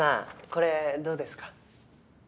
これどうですか？